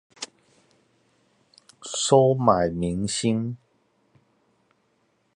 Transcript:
收買民心